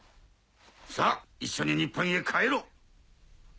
さぁ一緒に日本へ帰ろう！